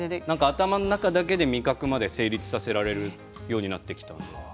頭の中で味覚まで成立させられるようになってきた。